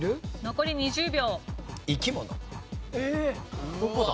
残り１０秒。